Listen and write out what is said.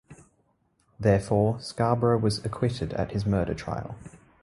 Therefore, Scarborough was acquitted at his murder trial.